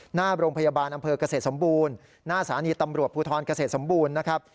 หน้าโรงพยาบาลอำเภอกเกษตรสมบูรณ์หน้าสถานีตำรวจภูทรเกษตรสมบูรณ์นะครับ